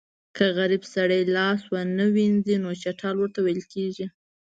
که غریب سړی لاس ونه وینځي نو چټل ورته ویل کېږي.